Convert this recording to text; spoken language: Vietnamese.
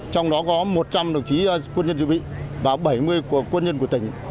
trong đó có một trăm linh đồng chí quân nhân dự bị và bảy mươi quân nhân của tỉnh